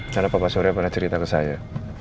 kenapa pak surya pernah cerita ke saya